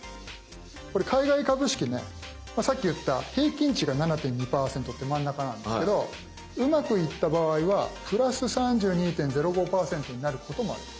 これ海外株式ねさっき言った平均値が７．２％って真ん中なんですけどうまくいった場合は「＋３２．０５％」になることもある。